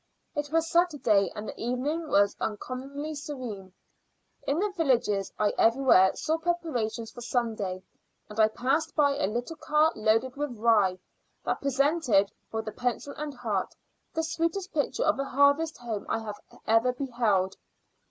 It was Saturday, and the evening was uncommonly serene. In the villages I everywhere saw preparations for Sunday; and I passed by a little car loaded with rye, that presented, for the pencil and heart, the sweetest picture of a harvest home I had ever beheld.